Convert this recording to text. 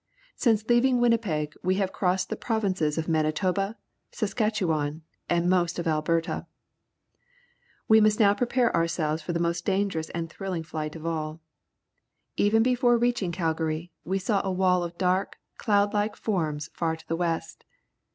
Since leaving Winnipeg we have crossed the provinces of Manitoba, Saskatche wan, and most of Alberta. Now we must prepare ourselves for the most dangerous and tliriUing flight of all. Even before reaching Calgary, we saw a wall of dark, cloud like forms far to the west.